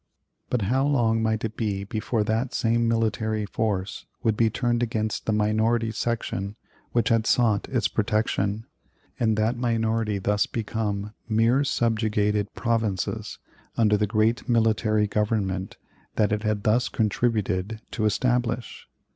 "But how long might it be before that same military force would be turned against the minority section which had sought its protection; and that minority thus become mere subjugated provinces under the great military government that it had thus contributed to establish?